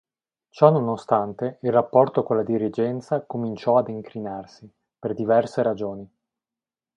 Ciononostante, il rapporto con la dirigenza cominciò ad incrinarsi, per diverse ragioni.